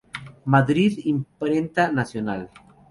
Madrid Imprenta Nacional.